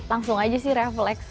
langsung aja sih refleks